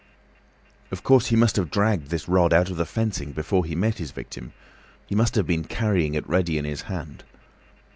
Of course, he must have dragged this rod out of the fencing before he met his victim—he must have been carrying it ready in his hand.